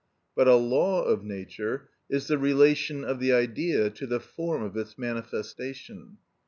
But a law of nature is the relation of the Idea to the form of its manifestation.